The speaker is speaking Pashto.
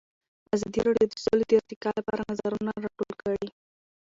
ازادي راډیو د سوله د ارتقا لپاره نظرونه راټول کړي.